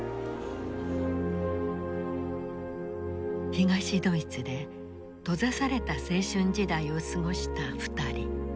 東ドイツで閉ざされた青春時代を過ごした２人。